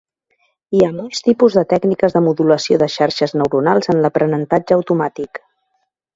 Hi ha molts tipus de tècniques de modulació de xarxes neuronals en l'aprenentatge automàtic.